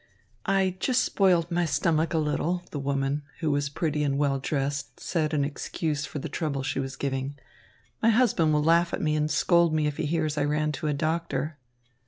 "I just spoiled my stomach a little," the woman, who was pretty and well dressed, said in excuse for the trouble she was giving. "My husband will laugh at me and scold me if he hears I ran to a doctor."